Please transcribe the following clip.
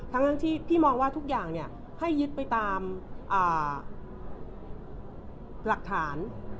ทั้งที่พี่มองว่าทุกอย่างให้ยึดไปตามหลักฐาน